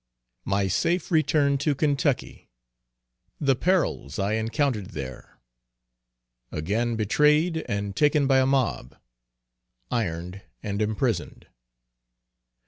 _My safe return to Kentucky. The perils I encountered there. Again betrayed, and taken by a mob; ironed and imprisoned.